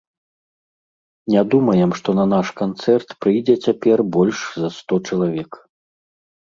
Не думаем, што на наш канцэрт прыйдзе цяпер больш за сто чалавек.